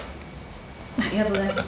ありがとうございます。